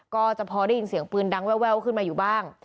ก็จะพอได้ยินเสียงปืนดังแววขึ้นมาอยู่บ้าง